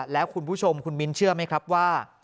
แล้วคุณผู้ชมคุณมิ้นเชื่อไหมครับว่า